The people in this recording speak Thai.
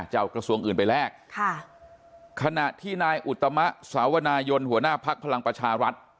จะเอากระทรวงอื่นไปแลกค่ะขณะที่นายอุตมะสาวนายนหัวหน้าภักดิ์พลังประชารัฐ